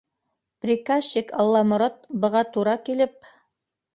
Приказчик Алламорат быға тура килеп: